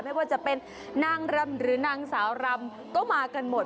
ไม่ว่าจะเป็นนางรำหรือนางสาวรำก็มากันหมด